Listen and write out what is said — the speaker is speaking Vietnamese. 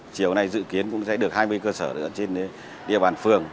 chiều nay dự kiến cũng sẽ được hai mươi cơ sở trên địa bàn phường